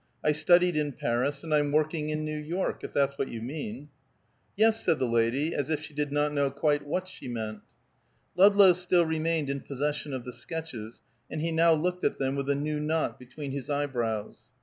I studied in Paris, and I'm working in New York if that's what you mean." "Yes," said the lady, as if she did not know quite what she meant. Ludlow still remained in possession of the sketches, and he now looked at them with a new knot between his eyebrows.